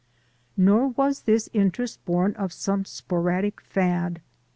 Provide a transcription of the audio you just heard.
Nor was this interest born of some sporadic fad.